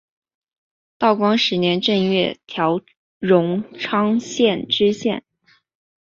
道光十年正月调荣昌县知县。